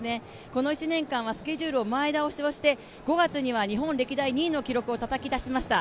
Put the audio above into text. この１年間はスケジュールを前倒しをして５月には日本歴代２位の記録をたたき出しました。